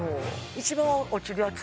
一番落ちるやつ？